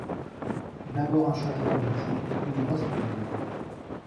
D'abord, un changement d'outil, une brosse plus dure.